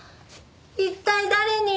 一体誰に？